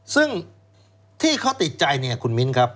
ซึ่งที่เขาติดใจเนี่ยคุณมิ้นครับ